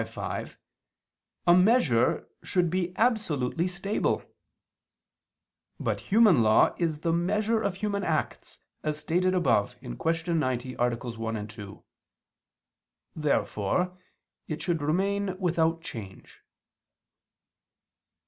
v, 5), a measure should be absolutely stable. But human law is the measure of human acts, as stated above (Q. 90, AA. 1, 2). Therefore it should remain without change.